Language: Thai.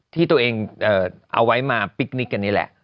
ที่ตัวเองเอาไว้มาปิ๊กนิกกันนี่แหละ